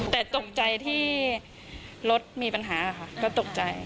แต่ตกใจที่รถมีปัญหาค่ะก็ตกใจ